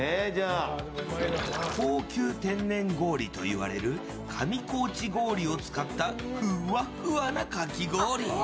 高級天然氷といわれる上高地氷を使ったふわふわなかき氷。